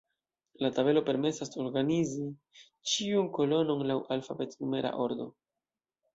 La tabelo permesas organizi ĉiun kolonon laŭ alfabet-numera ordo.